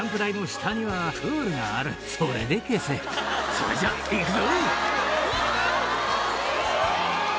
それじゃいくぞ。